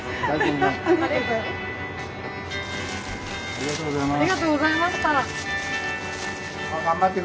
ありがとうございます。